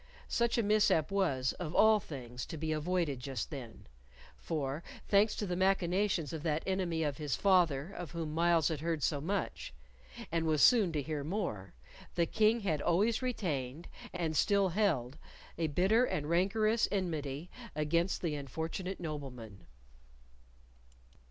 Such a mishap was, of all things, to be avoided just then, for, thanks to the machinations of that enemy of his father of whom Myles had heard so much, and was soon to hear more, the King had always retained and still held a bitter and rancorous enmity against the unfortunate nobleman.